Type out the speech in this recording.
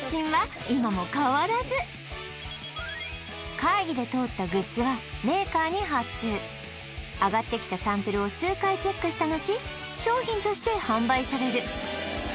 会議で通ったグッズはメーカーに発注上がってきたサンプルを数回チェックしたのち商品として販売される